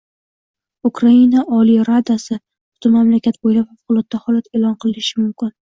Ukraina Oliy Radasi butun mamlakat bo'ylab favqulodda holat e'lon qilishi mumkin